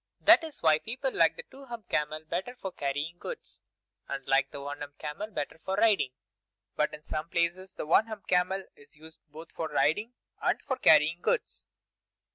That is why people like the Two Humps camel better for carrying goods, and like the One Hump camel better for riding. But in some places the One Hump camel is used both for riding and for carrying goods.